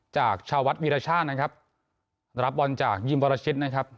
จากชาววัดวีรชาตินะครับรับบอลจากยิมวรชิตนะครับ